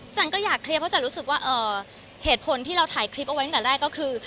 ก็อยากเคลียร์เพราะจันรู้สึกว่าเหตุผลที่เราถ่ายคลิปเอาไว้ตั้งแต่แรกก็คือ